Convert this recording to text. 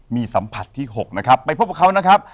มีสัมผัสที่๖นะครับไปพบกับเขานะครับ